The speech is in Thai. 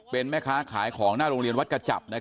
เป็นแม่ค้าขายของหน้าโรงเรียนวัดกระจับ